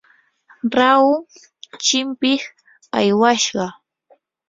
rahu chimpiq aywashqa.